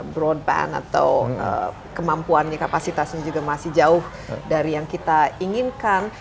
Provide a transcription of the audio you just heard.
broadband atau kemampuannya kapasitasnya juga masih jauh dari yang kita inginkan